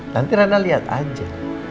nanti rena lihat aja